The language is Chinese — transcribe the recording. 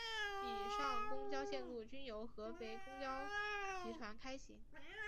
以上公交线路均由合肥公交集团开行。